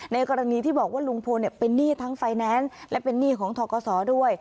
กรณีที่บอกว่าลุงพลเป็นหนี้ทั้งไฟแนนซ์และเป็นหนี้ของทกศด้วย